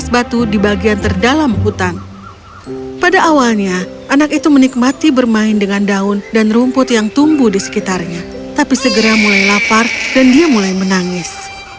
segera mulai lapar dan dia mulai menangis